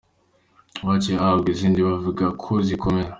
Baciye bahabwa izindi bavuga ko zikomeye.